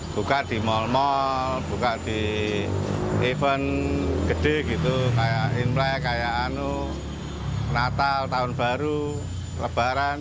buka di mal mal buka di event gede gitu kayak imlek kayak anu natal tahun baru lebaran